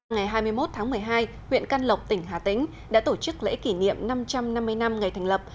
ngày hai mươi một tháng một mươi hai huyện căn lộc tỉnh hà tĩnh đã tổ chức lễ kỷ niệm năm trăm năm mươi năm ngày thành lập